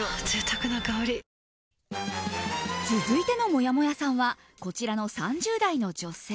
贅沢な香り続いてのもやもやさんはこちらの３０代の女性。